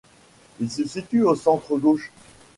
Il se situe au centre gauche.